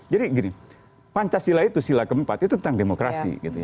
jadi pancasila itu sila keempat itu tentang demokrasi